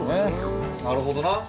なるほどな。